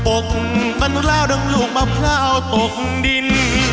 ปกมันลาวดังลูกมะพร้าวตกดิน